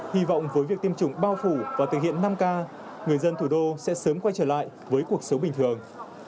hy vọng với việc tiêm chủng bao phủ và thực hiện năm k người dân thủ đô sẽ sớm quay trở lại với cuộc sống bình thường